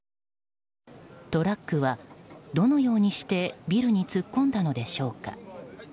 トラックは、どのようにしてビルに突っ込んだのでしょうか。